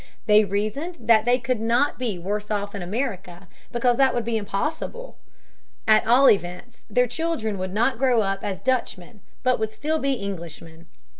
They reasoned that they could not be worse off in America, because that would be impossible. At all events, their children would not grow up as Dutchmen, but would still be Englishmen.